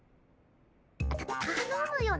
た頼むよ